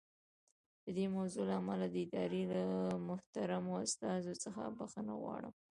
د دې موضوع له امله د ادارې له محترمو استازو څخه بښنه غواړم.